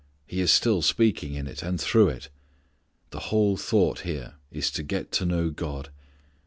He is still speaking in it and through it. The whole thought here is to get _to know God.